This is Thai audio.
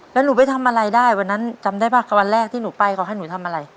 แล้วหนูไปทำอะไรได้วันนั้นจำได้ป่ะกับวันแรกที่หนูไปเขาให้หนูทำอะไร